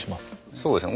そうですね